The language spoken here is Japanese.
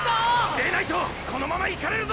でないとこのまま行かれるぞ！